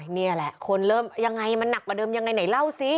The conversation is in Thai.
นี่แหละคนเริ่มยังไงมันหนักกว่าเดิมยังไงไหนเล่าสิ